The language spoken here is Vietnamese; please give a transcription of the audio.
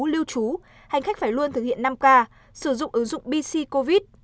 lưu trú hành khách phải luôn thực hiện năm k sử dụng ứng dụng bc covid